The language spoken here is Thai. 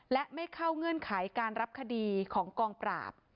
และไม่เข้าเงื่อนไขการรับคดีของกองปราบ